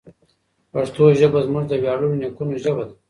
پښتو ژبه زموږ د ویاړلو نیکونو ژبه ده.